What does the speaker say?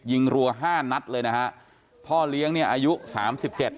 รัวห้านัดเลยนะฮะพ่อเลี้ยงเนี่ยอายุสามสิบเจ็ด